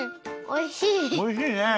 おいしいね。